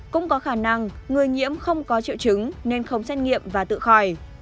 cũng có khả năng người nhiễm không có triệu chứng nên không xét nghiệm và tự khỏi